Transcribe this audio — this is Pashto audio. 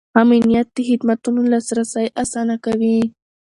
امنیت د خدمتونو لاسرسی اسانه کوي.